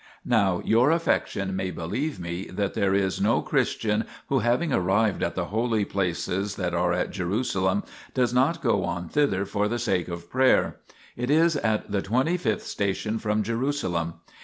Now your affection may believe me that there is no Christian who having arrived at the holy places that are at Jerusalem, does not go on thither for the sake of prayer; it is at the twenty fifth station from Jerusalem.